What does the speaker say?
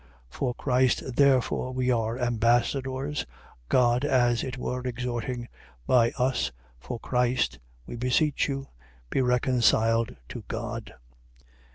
5:20. For Christ therefore we are ambassadors, God as it were exhorting by us, for Christ, we beseech you, be reconciled to God.